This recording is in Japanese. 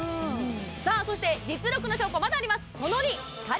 そして実力の証拠まだあります出た！